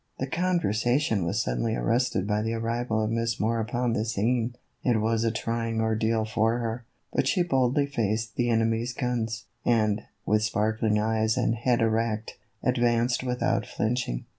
The conversation was suddenly arrested by the arrival of Miss Moore upon the scene. It was a trying ordeal for her, but she boldly faced the enemy's guns, and, with sparkling eyes and head erect, advanced without flinching.